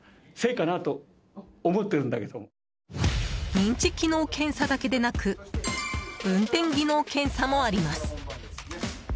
認知機能検査だけでなく運転技能検査もあります。